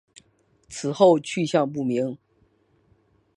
此后去向不明。